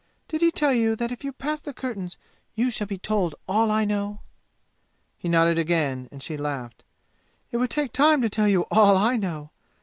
"Did he tell you that if you pass the curtains you shall be told all I know?" He nodded again, and she laughed. "It would take time to tell you all I know!